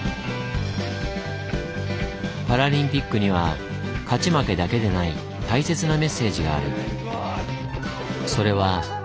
パラリンピックには勝ち負けだけでない大切なメッセージがある。